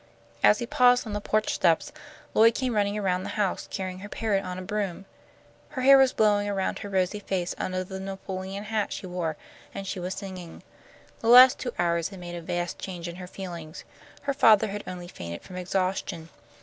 As he paused on the porch steps, Lloyd came running around the house carrying her parrot on a broom. Her hair was blowing around her rosy face under the Napoleon hat she wore, and she was singing. The last two hours had made a vast change in her feelings. Her father had only fainted from exhaustion.